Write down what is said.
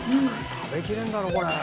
食べ切れんだろうこれ。